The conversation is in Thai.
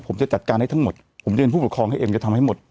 ผมจะจัดการให้ทั้งหมดผมเรียนผู้ปกครองให้เองจะทำให้หมด